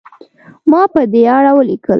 ما په دې اړه ولیکل.